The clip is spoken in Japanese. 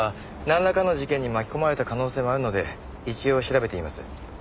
なんらかの事件に巻き込まれた可能性もあるので一応調べています。